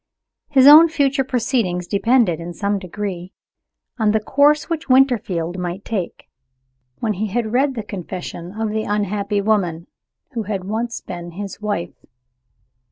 His own future proceedings depended, in some degree, on the course which Winterfield might take, when he had read the confession of the unhappy woman who had once been his wife.